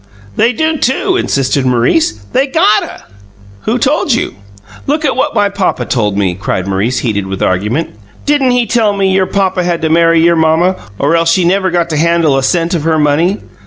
"They do, too," insisted Maurice. "They GOTTA!" "Who told you?" "Look at what my own papa told me!" cried Maurice, heated with argument. "Didn't he tell me your papa had to marry your mamma, or else he never'd got to handle a cent of her money?